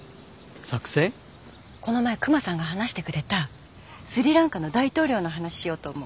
この前クマさんが話してくれたスリランカの大統領の話しようと思う。